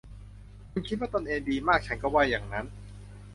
คุณคิดว่าตนเองดีมาก ฉันก็ว่าอย่างนั้น